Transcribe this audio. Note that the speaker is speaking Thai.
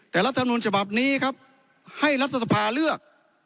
แต่รัฐมนุนฉบับนี้ครับให้รัฐสภาเลือก